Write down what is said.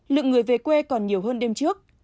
lượng người về quê còn nhiều hơn đêm trước